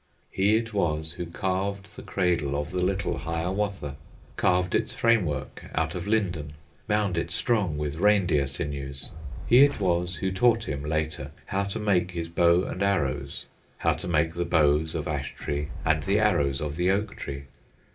He it was who carved the cradle Of the little Hiawatha, Carved its framework out of linden, Bound it strong with reindeer sinews; He it was who taught him later How to make his bows and arrows, How to make the bows of ash tree, And the arrows of the oak tree.